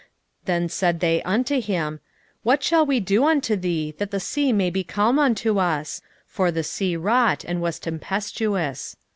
1:11 Then said they unto him, What shall we do unto thee, that the sea may be calm unto us? for the sea wrought, and was tempestuous.